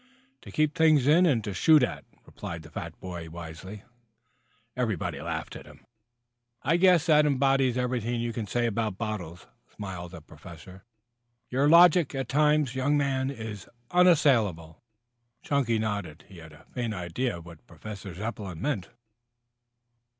"To keep things in and to shoot at," replied the fat boy wisely. Everybody laughed at that. "I guess that embodies everything you can say about bottles," smiled the Professor. "Your logic, at times, young man, is unassailable." Chunky nodded. He had a faint idea of what Professor Zepplin meant.